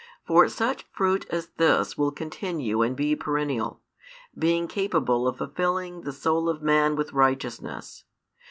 For such fruit as this will continue and be perennial, being capable of fulfilling the soul of man with righteousness.